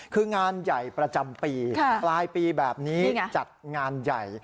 คืองานใหญ่ประจำปีปลายปีแบบนี้จัดงานใหญ่